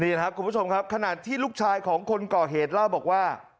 นี่นะครับคุณผู้ชมครับขณะที่ลูกชายของคนก่อเหตุเล่าบอกว่า